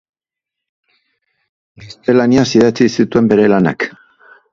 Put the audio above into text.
Gaztelaniaz idatzi zituen bere lanak.